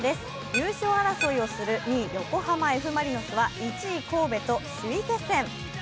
優勝争いをする２位、横浜マリノスは１位神戸と首位決戦。